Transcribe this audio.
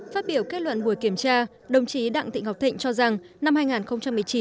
phát biểu kết luận buổi kiểm tra đồng chí đặng thị ngọc thịnh cho rằng năm hai nghìn một mươi chín